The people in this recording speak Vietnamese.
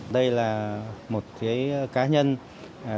đây là một cái cá nhân là